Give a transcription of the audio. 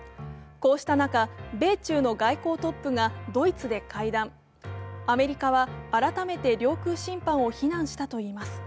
こうした中、米中の外交トップが会談アメリカは改めて領空侵犯を非難したといいます。